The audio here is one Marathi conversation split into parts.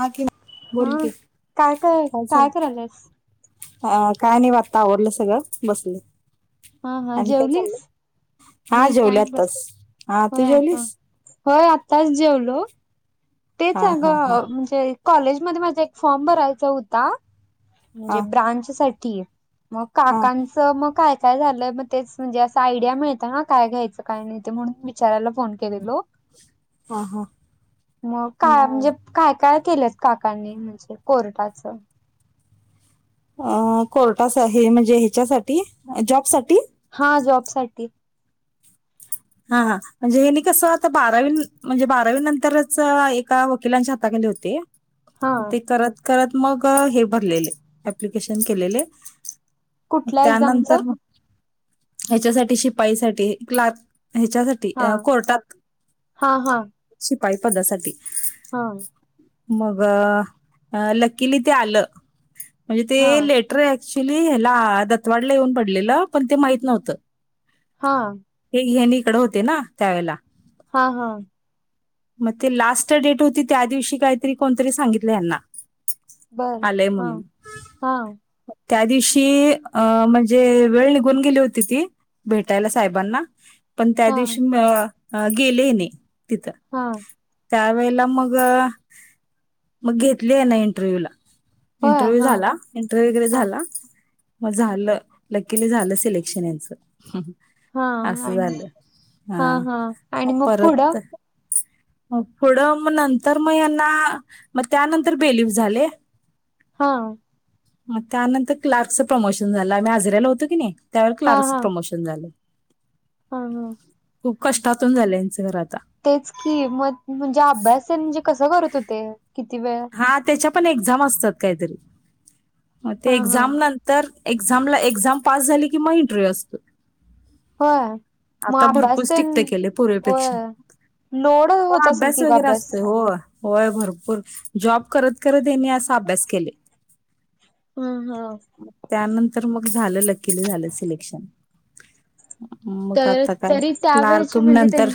हा कि हा बोल की काय काय काय [unintelligible] करायलास अ काय नाही बघा आता आवरलं सगळं बसले. हा हा आणि काय जेवलीस? चाललंय हा जेवले आताच. हा हो तू ह जेवलीस होय आत्ताच जेवलो ते हा हा हा आगं म्हणजे कॉलेजमध्ये माझा एक फॉर्म भरायचा होता. म्हणजे हा ब्रांच साठीय मग हा काकां मग काय काय झालंय मग तेच म्हणजे असं आयडिया मिळतं ना काय घ्यायचं काय नाही ते म्हणून मी विचाराला फोन केलेलो. ह हां मग काय म्हणजे काय काय केलंच काकांनी कोर्टाचं? अ कोर्टाचं हे म्हणजे ह्याच्यासाठी जॉबसाठी? हा जॉबसाठी? हा हा म्हणजे हे न कसं आता बारावी म्हणजे बारावी नंतरच एका वकिलांच्या हाताखाली होतें. हा ते करत करत मग हे भरलेलं ॲप्लिकेशन केलेले. कुठल्या एक्झामच त्यानंतर मग ह्याच्यासाठी शिपाई साठी क्लार्क ह्याच्यासाठी हा कोर्टात हा हा शिपाई पदासाठी हा. मग लकीली ते आलं म्हणजे ते हा लेट रे ऍक्च्युली ह्याला दतवाडला येऊन पडलेलं पण ते माहित नव्हतं. हा. हे ह्याणी कडे होते ना त्यावेेळेला. हा हा‌ मग ते लास्ट डेट होती त्या दिवशी काहीतरी कोणतरी सांगितलं यांना. बर आलेय हा म्हणून. हा त्या दिवशी अ म्हणजे वेळ निघून गेली होती ती. भेटायला साहेबांना पण त्या हा दिवशी म गेले नाही तिथं हा. त्या वेळेला मग मग घेतली ह्याना इंटरव्ह्यू ला होय इंटरव्ह्यू हा झाला इंटरव्ह्यू हा झाला. मग झालं लकील झालं सिलेक्शन याचं हा असं आणि झालं हा म आणि मग पुढं परत हो पुढं मग नंतर मग यांना मग त्यानंतर बेलीग झाले. हा. त्यानंतर क्लार्क्सच प्रमोशन झालं डाजऱ्याला होतो की नाही त्यावर हा क्लार्क्स हा प्रमोशन हा हा खूप कष्टातून झालं यांचं घर आता. तेच की मग म्हणजे अभ्यास म्हणजे कसं करत होते किती वेळ हा त्याच्या पण एक्झाम असतात काहीतरी मग हा ते हा एक्झाम नंतर तर एक्झामला एक्झाम पास झाली कि म इंटरव्ह्यू असतो. होय मग आता अभ्यास भरपूर तेन स्ट्रिक केल आहे होय पुर्वीपेक्षा लोड होत हो असेल अभ्यास की ग वगैरे असतोय हो होय भरपूर जॉब करत, करत यांनी असा अभ्यास केले. हम्म हा. त्यानंतर मग झालं लकीली झालं सिलेक्शन. मग तर आता काय तरी क्लार्क त्यावेळची म्हणजे त्यां नंतर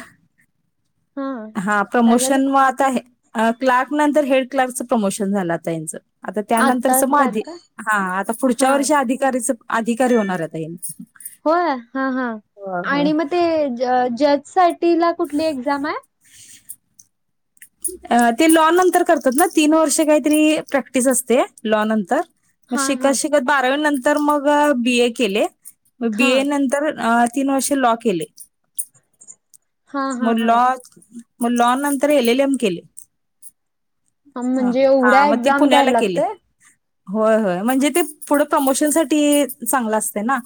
हा काय झालं प्रमोशन म आता आहे. क्लार्क नंतर हेड क्लारकचं प्रमोशन झालं आता त्याचं. आता त्यानंतरच आत्ताच म झालं का हा आता पुढच्या हा वर्षी अधिकारीच अधिकारी होणार. होय हा हां होय होय आणि मग ते जज साठी ला कुठली एक्झाम आहे? ते लॉ नंतर करतात ना तीन वर्षे काहीतरी प्रॅक्टिस असते लॉ नंतर मग हा शिकत, हा शिकत बारावी नंतर मग बी, ए केले मग बी, हा ए नंतर तीन वर्षे लॉ केले. हा हा म हा लाॅ लाॅ नंतर एल, एल, एम केले. हा अ म्हणजे हा एवढ्या मग ती एक्झाम द्यायला पुण्याला केले. लागतय होय, होय म्हणजे ते पुढं प्रमोशन साठी चांगलं असते ना.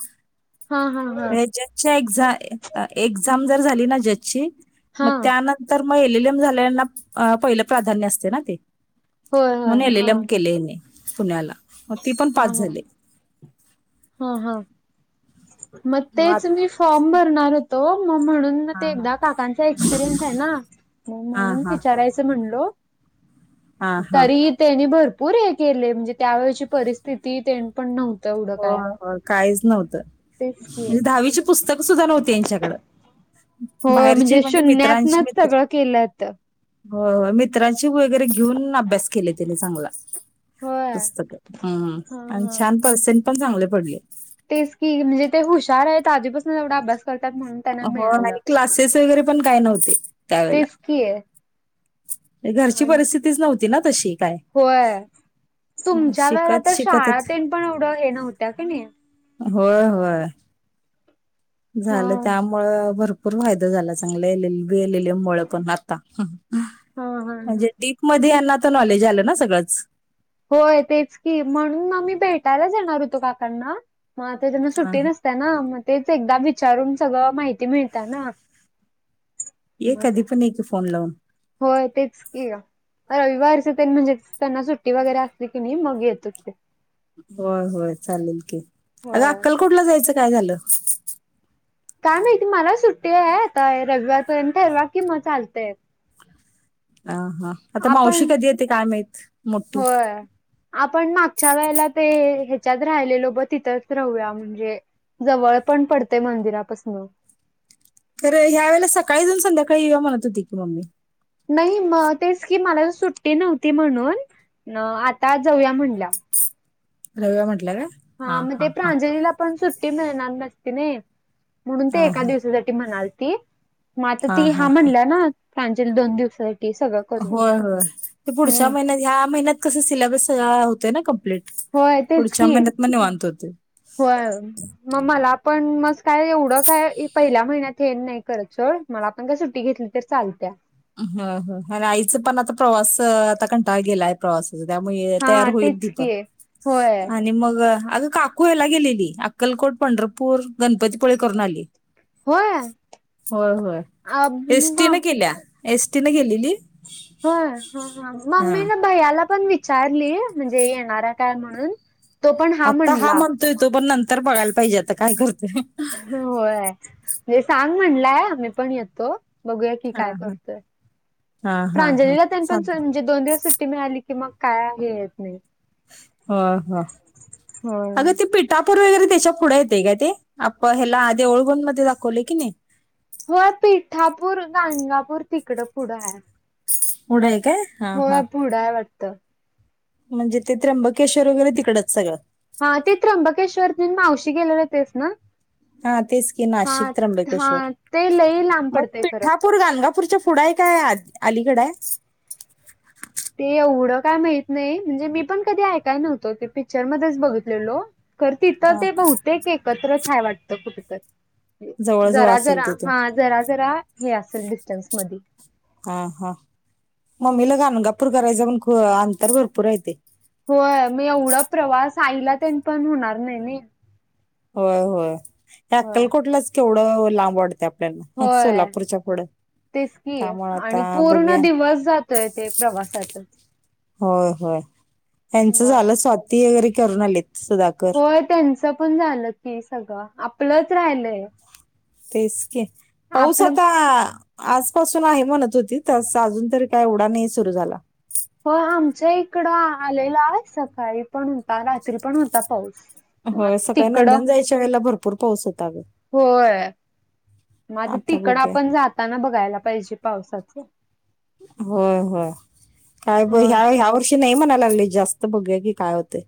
हा हा हा जज एक्झाम जर झाली ना जजची मग हा त्यानंतर तर मग एल, एल, एम झाल्याना पहिलं प्राधान्य असते ना ते. होय होय म्हून एल, एल, हा एम केलेने पुण्याला मग ती पण हा पास हा झाले. हा हा मग तेच मी. फॉर्म भरणार होतो मग म्हणून. हा ते एकदा काकांचा एक्सपिरियन्स आहे ना हा हा म्हणून हा विचारायचं म्हणलो. हा हा तरी त्यांनी भरपूर हे केले म्हणजे त्यावेळेची परिस्थिती पण नव्हतं. हो काय हो काहीच नव्हतं तेच की म्हणजे दहावीची पुस्तकं सुद्धा नव्हती यांच्याकड हो म्हणजे शून्यातनच सगळं केलंत. हो हो मित्रांची वगैरे घेऊन अभ्यास केले त्यानी चांगला. होय पुस्तक हम्म हा आणि हा. छान पर्सेंट पण चांगले पडले. तेच की म्हणजे ते हुशार आहेत आधीपासून एवढा अभ्यास करतात म्हणून त्यांना हो मिळालं. आणि क्लासेस वगैरे पण काही नव्हते त्यावेळेला. तेच की घरची परिस्थितीच नव्हती ना तशी काय. होय तुमच्या वेळेला शिकत तर शाळा शिकतच तेन पण एवढं हे नव्हत्या कनी. होय होय हा झालं त्यामुळ भर पूर फायदा झाला चांगला L L B, L L M मुळ पण आता. हा हा. म्हणजे डीप मध्ये यांना तर नॉलेज आलं ना सगळंच. होय तेच की म्हणून मग मी भेटायलाच येणार होतो काकांना मग आता त्यांना हा सुट्टी नस त्यांना मग तेच एकदा विचारून सगळं माहिती मिळत ना. ये मग कधी पण ये कि फोन लावून. होय तेच की. रविवारच तेन म्हणजे त्यांना सुट्टी वगैरे असली कनी मग येतो कि. होय होय चालेल की, अग होय. अक्कलकोठला जायचं काय झालं? काय माहिती मला सुट्टी आहे आता रविवारपर्यंत ठरवा की मग चालतय. अ हा आता मावशी आपण कधी येते काय माहीत मोठी. होय. आपण मागच्या वेळेला ते ह्याच्यात राहिलेलो ब तिथंच राहूया म्हणजे जवळ पण पडते मंदिरापसनं. तर ह्या वेला सकाळी जाऊन संध्याकाळी येऊया म्हणत होती की मम्मी. नाही म तेच की मला सुट्टी नव्हती म्हणून आता जाऊया म्हणल्या. जाऊया म्हटल्या काय? हा मग ते प्रांजलीला पण सुट्टी मिळणार नसती ना म्हणून हा ते एका हा दिवसासाठी म्हणालती मग आता ती हा म्हणल्या ना प्रांजली दोन दिवसासाठी सगळं करून होय होय ते पुढच्या हम्म महिन्यात ह्या महिन्यात कस सिलेबस सगळा होतय ना कम्प्लीट. होय तेच पुढच्या की महिन्यात मग निवांत होते. होय मग मला पण मस काय एवढं काय पहिल्या महिन्यात हेन नाही करत सोड. मला पण काय सुट्टी घेतली तर चालत्या. ह ह आणि आईच पण आता प्रवास आता कंटाळा गेलाय प्रवासाच त्यामुळं तयार हा होईल तेच ती पण की होय आणि मग आग का कु हेला गेलेली अक्कलकोट, पंढरपूर, गणपतीपुळे करून आली. होय होय होय अ म एसटी न केल्या एसटी न केलेली. होय हा हा मम्मीनं भय्याला पण विचारली म्हणजे येणार आहे काय म्हणून. तो पण आता हा म्हणला म्हणतोय तो पण नंतर बघायला पाहिजे आता काय करतोय. ह होय म्हणजे सांग म्हणलंय आम्ही पण येतो. बघूया की हा काय हा करतोय, हा हा हा प्रांजलीला तेन पण चल चालतंय म्हणजे दोन दिवस सुट्टी मिळाली की मग काय हे येत नाही. ह हा होय अग त पी टापूर वगैरे त्याच्या पुढे येते काय ते आप हेला देऊळबंद मध्ये दाखवले की नाही. होय पिठापूर गांंनगापूर तिकड पुढं आहे. पूडं आहे काय? हा हा होय पुढंय वाटतं. म्हणजे ते त्र्यंबकेश्वर वगैरे तिकडंच सगळं. हा ते त्र्यंबकेश्वर तेन मावशी गेलेले तेचं ना? हा तेच की हा नाशिक हा त्र्यंबकेश्वर ते लय लांब पडते खरं. पूर गानंगापूरच्या पुुढ आहे काय अलीकड आहे? ते एवढं काय माहीत नाही म्हणजे मी पण कधी ऐकाय नव्हतो ते पिक्चर मध्येच बघी लेलो खर तिथं हा ते बहुते एकत्रच हाय वाटत कुठ तर. जवळजवळ जरा असेल जरा तिथून हा जरा जरा हे असेल डिस्टन्स मधी. हा हा मम्मीला गांगापूर करायचं पण अंतर भरपूर येत. होय मी एवढा प्रवास आईला ते पण होणार नाही नाही. होय होय ते होय अक्कलकोटलाच केवढं लांब वाटत ह होय सोलापुरच्या पुढ. तेच कि आणि पूर्ण दिवस जातोय ते प्रवासातच. होय होय त्यांच होय झालं स्वाती वगैरे करून आलेत सधा. होय त्यांचं पण झालं की सगळं आपलंच राहिलंय. तेच की पाऊस आपलं आता आजपासून आहे म्हणत होती त अजून तरी काय येउडा नाही सुरू झाला. हो आमच्या इकडं आलेला सकाळी पण होता रात्री पण होता पाऊस. हो मग सकाळी तिकडं नंदन जायच्या वेळेला भरपूर पाऊस होता अगं. होय म आता तिकडं बघूया आपण जाताना बघायला पाहिजे पावसाच. होय होय काय ब ह्या होय हव नाही म्हणाय जास्त बघूया काय होतय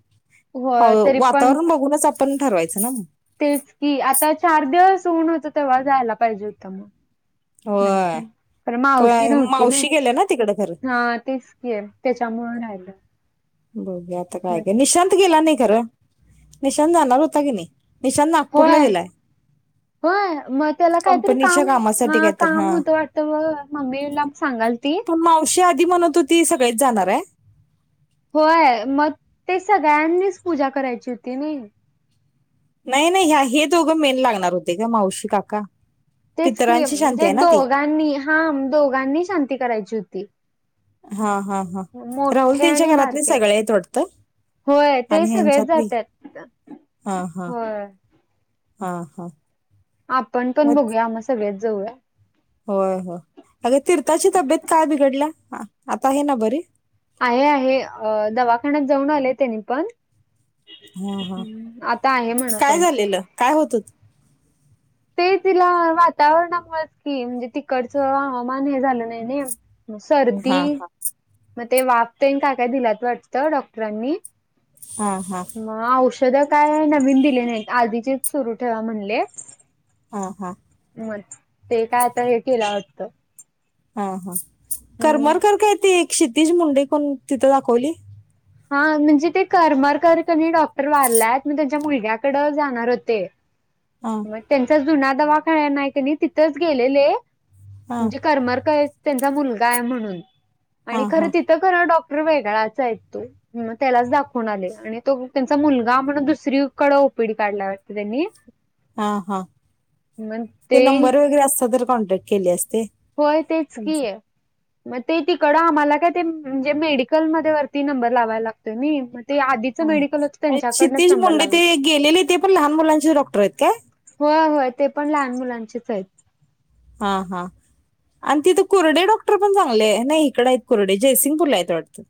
होय तरी पण वातावरण बघूनच आप पण ठरवायचं ना मग? तेच कि आता चार दिवस होऊन होतं तेव्हा जायला पाहिजे होतं मग. होय पण मावशी नव्हती ना मावशी गेल्या तिकडे खरं हा तेच ये त्याच्यामुळ राहील. बघूया आता काय का निशांत गेला नाही खरं निशांत जाणार होता की नाही. निशांत नागपूर होय ला गेलाय. होय मग त्याला काहीतरी कंपनीच्या काम कामासाठी हा काय तर काम होतं वाटतं ब मम्मीला सांगाल ती पण मावशी आधी म्हणत होती सगळेच जाणार आहे. होय मग ते सगळ्यांनीच पूजा करायची होती नई. नाही नाही ह हे दोघं मेन लागणार होते का मावशी काका तेच की पितरांची शांती म्हणजे आहे ना ती दोघांनी हां दोघांनी शांती करायची होती. हा हा हा राहुल मोठे त्यांच्या आणि घरातले बारके सगळ आहेतेत वाटतं. होय ते आणि सगळेच ह्यांच्यातली जातात हा हा होय. हा हा. आपण पण मग बघूया म सगळेच जाऊया. होय हो अगे तीर्थाची तब्येत काय बिघडल्या आता हे ना बरी? आहे आहे दवाखान्यात जाऊन आले त्यांनी पण. हा हा ह् आता आहे म्हणा काय कमी. झालेलं काय होतत. ते तिला वातावरणामुळेच की म्हणजे तिकडचं हवामान हे झालं नाही नाही. हा सर्दी हा मग ते वाफतेन का काय दिलात वाटतं डॉक्टरांनी. हा हा. मग औषध काय नवीन दिले नाहीत आधीचे सुरू ठेवा म्हणले. ह हा. मग ते काय आता हे केलं वाटत. हा हा करमरकर काय त एक क्षितिज मुंडे कोण तिथं दाखवली. हा म्हणजे ते करमरकरकनी डॉक्टर वारल्यात मग त्यांच्या मुलग्याकड जाणार होते. हा मग त्यांचा जुना दवा खाळ नाही क नाही तिथंच गेलेले हा म्हणजे करमर त्यांचा मुलगा आहे म्हणून हा आणि खर हा तिथं खर डॉक्टर वेगळाच आहे तो. त्यालाच दाखवून आले आणि तो त्यांचा मुलगा म्हण दुसरीकडें ओपीडी काढला वाटते त्यांनी. हा हा ते नंबर वगैरे असत तर कॉन्टॅक्ट केले असते. होय तेच हा. की. मग ते तिकडं आम्हाला काय ते म्हणजे मेडिकलमध्ये वरती नंबर लावायला लागतोय नी. ते आधीचं मेडिकल होतं हा त्यांच्याकडनंच क्षितेज नंबर मुंडे लागला ते गेलेले ते पण लहान मुलांचे डॉक्टर आहेत काय? हो होय ते पण लहान मुलांचेच आहेत. हा हा. आणि तिथं कुर्डे डॉक्टर पण चांगले नाही इकडं आहेत कुर्डे जयसिंगपूरला आहेत वाटतं.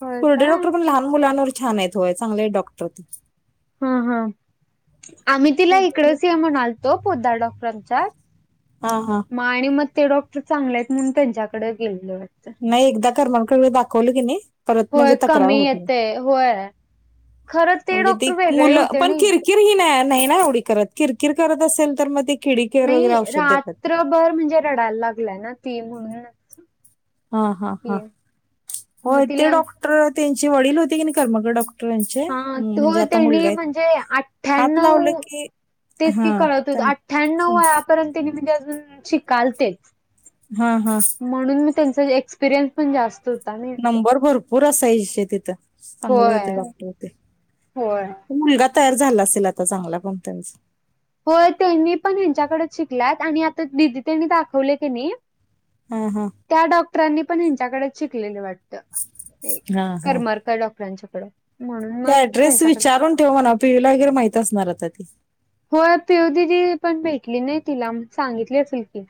होय कुर्डे काय डॉक्टर पण लहान मुलांवर छान आहेत होय चांगले डॉक्टर ते हा हा आम्ही तिला इकडच ये म्हणालतो पोदार डॉक्टरांच्या हा हा. आणि मग ते डॉक्टर चांगले आहेत म्हणून त्यांच्याकडे गेलेले वाटत. [inaudible] परत म्हणजे होय तक्रार कमी होत नाही येतय होय खरं ते म्हणजे ती डॉक्टर वेगळे मुलं होते पण नाही. किर ही नाही नाही ना आवडी करत किरकिर करत असेल तर मग ते किडी केअर वगैरे नाही औषध देतात रात्रभर म्हणजे रडायला लागलाय ना ते म्हणूनच हा हा हां की हो मग ते तिला डॉक्टर त्यांचे वडील होते की नाही कर्मगड डॉक्टर हा त त्यांनी म्हणजे हात लावलं अठ्ठ्याण्णव की तेच हा की कळत होत त्यां अठ्ठ्याण्णव सम- वयापर्यंत नम ते अजून शिकालतेच हा हा म्हणून मी त्यांचा एक्सपिरियन्स पण जास्त नाही नंबर भरपूर असायचे तिथं चांगले होते होय डॉक्टर ते होय मुलगा तयार झाला असेल आता चांगला कंपनीचा हो त्यांनी पण ह्यांच्याकडेच शिकलात आणि आता दिदी त्यांनी दाखवले त्यांनी हम्म हम्म त्या डॉक्टरांनी पण ह्यांच्याकडेच शिकलेलं वाटतं हा हा करमरकर डॉक्टरांच्याकडं म्हणून मग ते ड्रेस त्यांच्याकडे विचारून ठेव म्हणा पी वला वगैरे माहती असणार आता ती होय पिव दिदी पण भेटली नाही तिला सांगितली फिलकी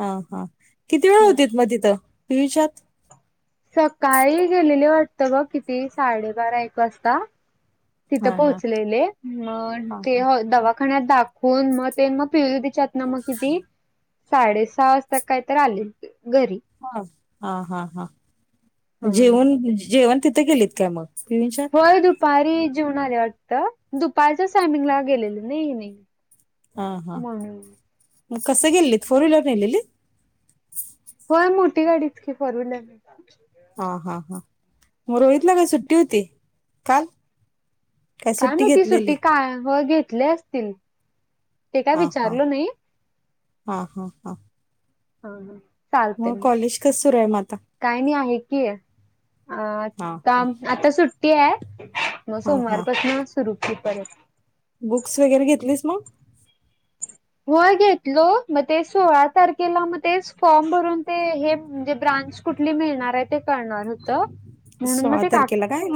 हा हा किती वेळ होती मग तिथं पिच्यात सकाळी गेलेली वाटतं बघ किती साडेबारा एक वाजता तिथं हा हा पोहोचलेले मग हा ते दवाखान्यात दाखवून मग ते मग पिले च्यात ना मग कि साडे सहा वाजता काय तर आलेल घरी हा हा हा हा हा जेवण जेवण तिथे गेलीत काय मग पि विच्यात होय दुपारी जेवन आले आटत दुपारच्याच टायमिंगला गेलेलं नाही नाही हा हा म्हणून मग कसं गेलेत फोर व्हीलर नेलेली होय मोठी गाडी इतकी फॉर विलर हा हा हा मग रोहितलं काय सुट्टी होती काल काय मी ती सुट्टी काय व घेतली असतील ते काय हा हा विचारलो नाही हा हा हा हा मग कॉलेज कस कर आहे म आता काही नाही आहे की अ हा आता हा आता सुट्टी आहे मग हा सोमवार हा पासन सुरू परत बुक्स वगैरे घेतलीस मग हो घेतलो मग ते सोळा तारखेला मग तेच फॉर्म भरून ते हे म्हणजे ब्रांच कुठली मिळणार आहे ते करणार होत म्हणून मग सोळा ते का तारखेला काय मग